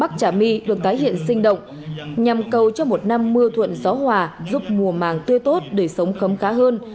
bắc trà my được tái hiện sinh động nhằm cầu cho một năm mưa thuận gió hòa giúp mùa màng tươi tốt đời sống khấm khá hơn